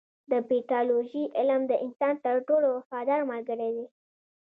د پیتالوژي علم د انسان تر ټولو وفادار ملګری دی.